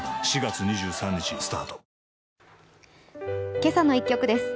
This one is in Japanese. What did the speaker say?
「けさの１曲」です。